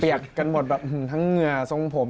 เปียกกันหมดแบบทั้งเหงือทรงผม